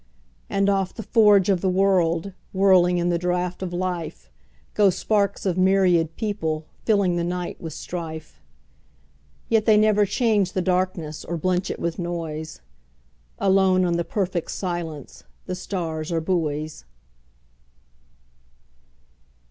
And off the forge of the world, Whirling in the draught of life, Go sparks of myriad people, fillingThe night with strife. Yet they never change the darknessOr blench it with noise; Alone on the perfect silenceThe stars are buoys.